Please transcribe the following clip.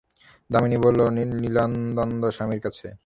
দামিনী বলিল, লীলানন্দস্বামীর কাছে।